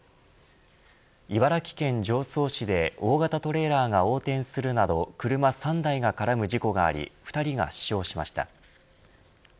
茨城県常総市で大型トレーラーが横転するなど車３台が絡む事故があり２人が死傷しました。